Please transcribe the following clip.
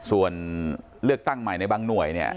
ส่วนเลือกตั้งใหม่ในบ้างหน่วย